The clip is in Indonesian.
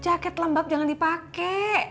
jaket lembab jangan dipake